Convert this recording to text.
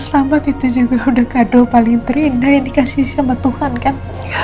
selamat itu juga udah kado paling terindah yang dikasih sama tuhan kan